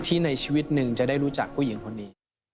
ในชีวิตหนึ่งจะได้รู้จักผู้หญิงคนนี้